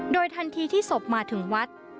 โดยทันทีที่ศพมาถึงวัด